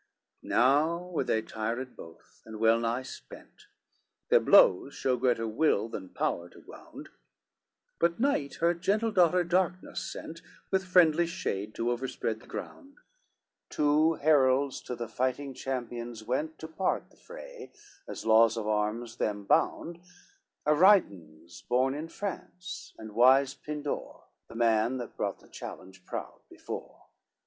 L Now were they tired both, and well nigh spent, Their blows show greater will than power to wound; But Night her gentle daughter Darkness, sent, With friendly shade to overspread the ground, Two heralds to the fighting champions went, To part the fray, as laws of arms them bound Aridens born in France, and wise Pindore, The man that brought the challenge proud before.